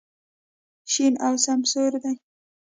شین او سمسور دی.